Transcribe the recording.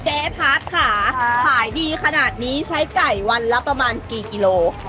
เจ๊พัดค่ะขายดีขนาดนี้ใช้ไก่วันละประมาณกี่กิโล